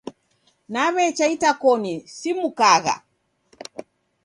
Naw'echa itakoni, simukagha.